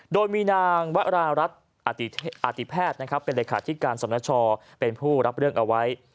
โดยมีนางวรารัฐอติแพทย์เป็นเลขาธิการสนชเป็นผู้รับเรื่องเอาไว้